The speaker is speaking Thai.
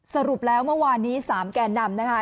สรุปแล้วเมื่อวานนี้๓แก่นำนะคะ